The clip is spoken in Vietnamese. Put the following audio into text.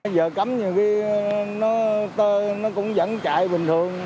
giờ cấm nhiều khi nó cũng vẫn chạy bình thường